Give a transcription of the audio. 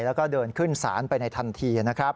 แล้วก็เดินขึ้นศาลไปในทันทีนะครับ